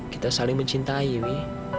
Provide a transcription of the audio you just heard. kita saling mencintai wi